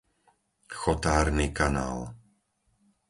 Chotárny kanál